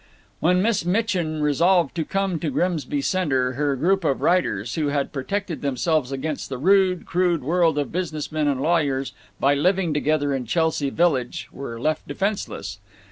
When Miss Mitchin resolved to come to Grimsby Center her group of writers, who had protected themselves against the rude, crude world of business men and lawyers by living together in Chelsea Village, were left defenseless.